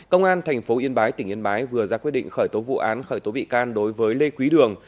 công an tp yên bái tỉnh yên bái vừa ra quyết định khởi tố vụ án khởi tố bị can đối với lê quý đường